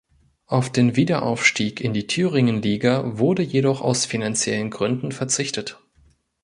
Auf den Wiederaufstieg in die Thüringenliga wurde jedoch aus finanziellen Gründen verzichtet.